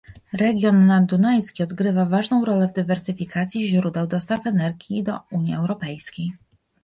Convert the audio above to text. Region naddunajski odgrywa ważną rolę w dywersyfikacji źródeł dostaw energii do Unii Europejskiej